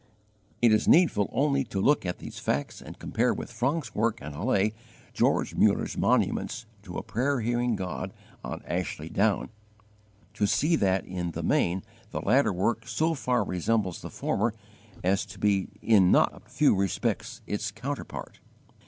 It is needful only to look at these facts and compare with Francke's work in Halle George Muller's monuments to a prayer hearing God on Ashley Down, to see that in the main the latter work so far resembles the former as to be in not a few respects its counterpart.